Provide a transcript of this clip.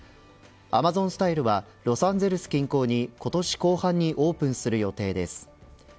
アマゾン・スタイルはロサンゼルス近郊に今年後半にオープンする予定です。